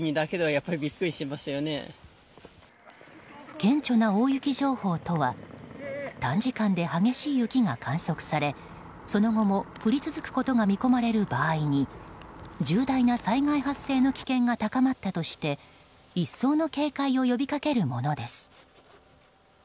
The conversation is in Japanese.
顕著な大雪情報とは短時間で激しい雪が観測されその後も降り続くことが見込まれる場合に重大な災害発生の危険が高まったとして一層の警戒を呼びかけるものです。